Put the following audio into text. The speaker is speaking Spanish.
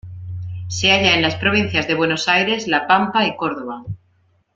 Se halla en las provincias de Buenos Aires, La Pampa y Córdoba.